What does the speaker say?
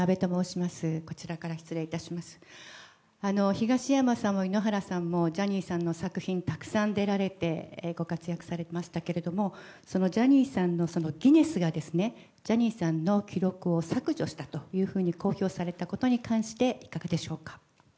東山さんも井ノ原さんもジャニーさんの作品にたくさん出られてご活躍されましたけれどもギネスがジャニーさんの記録を削除したということを公表されたことに関していかがでしょうか？